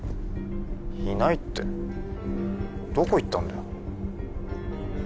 いないってどこ行ったんだよ？